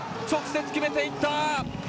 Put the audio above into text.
直接決めていった！